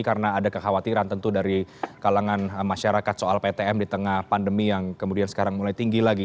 karena ada kekhawatiran tentu dari kalangan masyarakat soal ptm di tengah pandemi yang kemudian sekarang mulai tinggi lagi